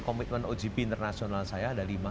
komitmen ojp internasional saya ada lima